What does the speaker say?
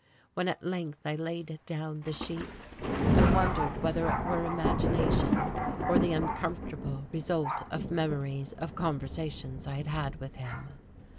When at length I laid down the sheets I wondered whether it were imagination, or the uncomfortable result of memories of conversations I had had with him.